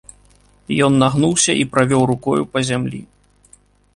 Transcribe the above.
Ён нагнуўся і правёў рукою па зямлі.